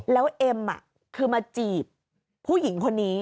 แล้วเอ็มคือมาจีบผู้หญิงคนนี้